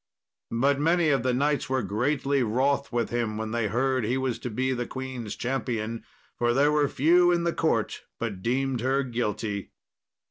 But many of the knights were greatly wroth with him when they heard he was to be the queen's champion, for there were few in the court but deemed her guilty.